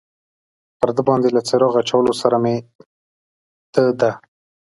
پر ده باندې له څراغ اچولو سره مې د ده.